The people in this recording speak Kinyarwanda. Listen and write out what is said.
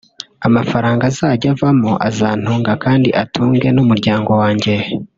amafaranga azajya avamo azantunga kandi ntunge n’umuryango wanjye”